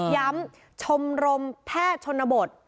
ย้ำชมรมแพทย์ชนนบท